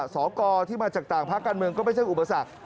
สกที่มาจากต่างภาคการเมืองก็ไม่ใช่อุปสรรค